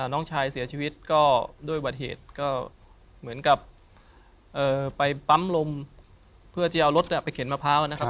น้องชายเสียชีวิตก็ด้วยบัติเหตุก็เหมือนกับไปปั๊มลมเพื่อที่จะเอารถไปเข็นมะพร้าวนะครับ